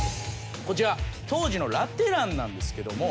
こちら当時のラテ欄なんですけども。